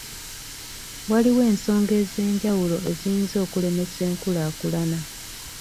Waliwo ensonga ez'enjawulo eziyinza okulemesa enkulaakulana.